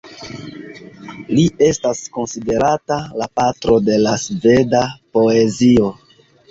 Li estas konsiderata la patro de la sveda poezio.